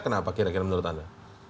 kenapa kira kira menurut anda